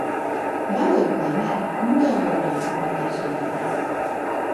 “Var ognami? Mu gağodu, ma gitzomer!”